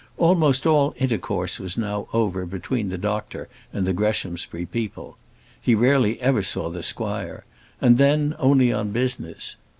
Almost all intercourse was now over between the doctor and the Greshamsbury people. He rarely ever saw the squire, and then only on business.